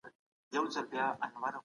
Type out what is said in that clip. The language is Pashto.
تليف بايد وکړو.